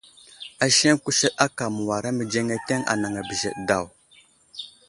Aseŋ kusəɗ aka məwara mədzeŋeteŋ anaŋ a bəzəɗe daw.